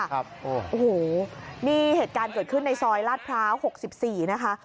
โอ้โหนี่เหตุการณ์เกิดขึ้นในซอยลาดพร้าว๖๔นะคะ